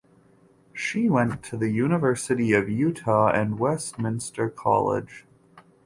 She went to the University of Utah and Westminster College.